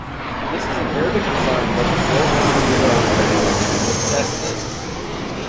This is an Arabic design but the building material and architecture is Sassanid.